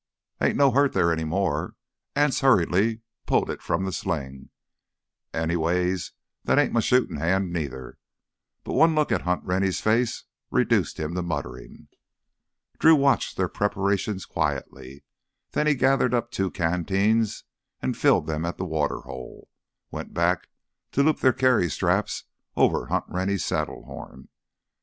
"Ain't no hurt there any more." Anse hurriedly pulled it from the sling. "Anyways, that ain't m' shootin' hand, neither!" But one look at Hunt Rennie's face reduced him to muttering. Drew watched their preparations quietly. Then he gathered up two canteens and filled them at the water hole, went back to loop their carry straps over Hunt Rennie's saddle horn.